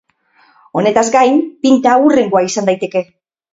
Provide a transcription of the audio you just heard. Honetaz gain, Pinta hurrengoa izan daiteke.